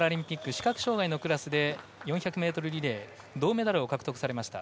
視覚障がいのクラスで４００ｍリレー銅メダルを獲得されました